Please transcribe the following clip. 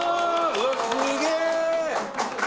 うわっすげえ！